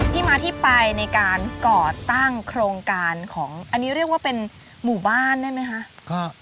ที่มาที่ไปในการก่อตั้งโครงการของอันนี้เรียกว่าเป็นหมู่บ้านได้ไหมคะ